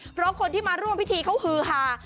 เพราะคนที่มาร่วมพิธีเขาฮือฮา